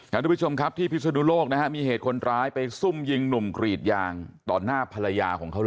ทุกผู้ชมครับที่พิศนุโลกนะฮะมีเหตุคนร้ายไปซุ่มยิงหนุ่มกรีดยางต่อหน้าภรรยาของเขาเลย